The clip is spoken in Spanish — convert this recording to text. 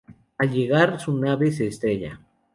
Al llegar su nave se estrella.